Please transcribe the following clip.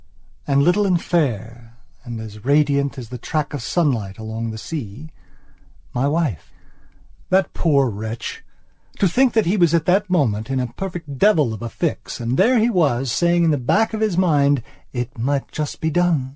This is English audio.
And, little and fair, and as radiant as the track of sunlight along the seamy wife. That poor wretch! to think that he was at that moment in a perfect devil of a fix, and there he was, saying at the back of his mind: "It might just be done."